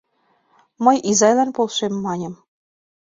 — Мый изайлан полшем! — маньым.